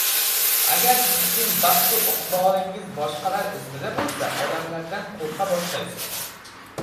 Agar sizning baxtu iqbolingiz boshqalar izmida bo‘lsa, odamlardan qo‘rqa boshlaysiz.